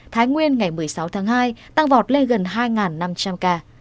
thái nguyên ngày một mươi sáu tháng hai tăng vọt lên gần hai năm trăm linh ca